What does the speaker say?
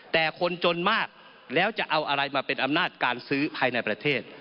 แต่คนจนมากแล้วจะเอาอะไรมาเป็นอำนาจการซื้อภายในประเทศ